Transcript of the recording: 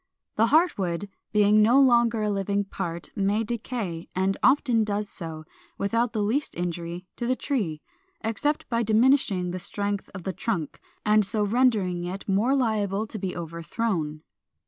The heart wood, being no longer a living part, may decay, and often does so, without the least injury to the tree, except by diminishing the strength of the trunk, and so rendering it more liable to be overthrown.